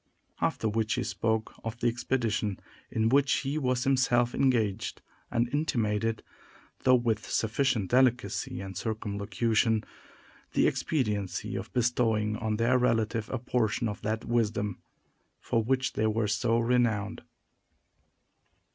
After which, he spoke of the expedition in which he was himself engaged, and intimated, though with sufficient delicacy and circumlocution, the expediency of bestowing on their relative a portion of that wisdom for which they were so renowned.